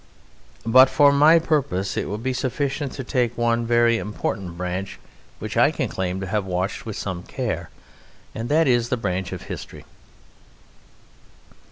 But for my purpose it will be sufficient to take one very important branch which I can claim to have watched with some care, and that is the branch of History.